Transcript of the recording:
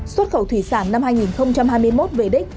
xuất khẩu thủy sản năm hai nghìn hai mươi một về đích